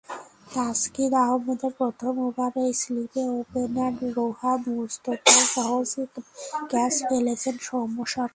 তাসকিন আহমেদের প্রথম ওভারেই স্লিপে ওপেনার রোহান মুস্তফার সহজ ক্যাচ ফেলেছেন সৌম্য সরকার।